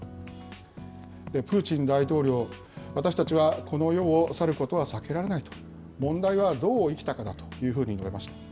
プーチン大統領、私たちはこの世を去ることは避けられないと、問題はどう生きたかだというふうに述べました。